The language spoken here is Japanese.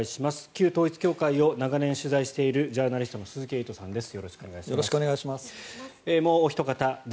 旧統一教会を長年取材しているジャーナリストの鈴木エイトさんです。